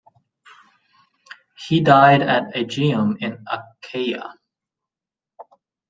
He died at Aegium in Achaia.